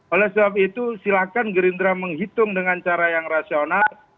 oleh sebab itu silakan gerindra menghitung dengan cara yang rasional